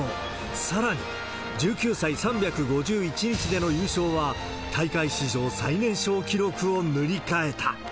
さらに、１９歳３５１日での優勝は、大会史上最年少記録を塗り替えた。